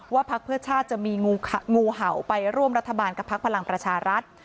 พักเพื่อชาติจะมีงูเห่าไปร่วมรัฐบาลกับพักพลังประชารัฐ